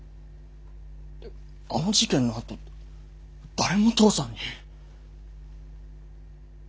あの事件のあと誰も父さんに。